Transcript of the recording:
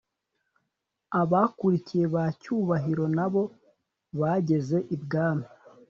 Abakurikiye bacyubahiro nabo bageze ibwami